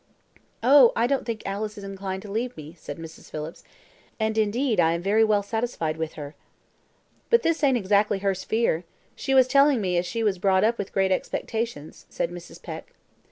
"Oh, I don't think Alice is inclined to leave me," said Mrs. Phillips; "and, indeed, I am very well satisfied with her." "But this ain't exactly her sphere. She was a telling me as she was brought up with great expectations," said Mrs. Peck.